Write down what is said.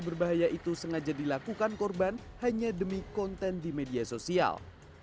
berbahaya itu sengaja dilakukan korban hanya demi konten di media sosial